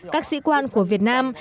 các sĩ quan của việt nam